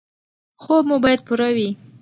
خوب مو باید پوره وي.